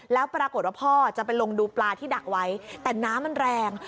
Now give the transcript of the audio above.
แล้วปรากฏว่าพ่อจะไปลงดูปลาที่ดักไว้แต่น้ำมันแรง